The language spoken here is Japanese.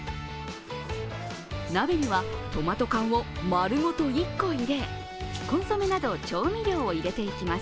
鍋にはトマト缶をまるごと１個入れコンソメなど調味料を入れていきます。